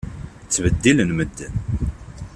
Ttbeddilen medden.